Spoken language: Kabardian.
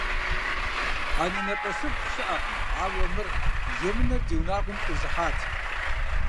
АнэнэпӀэсыфӀ щыӀэкъым, ауэ мыр емынэр ди унагъуэм къизыхьат.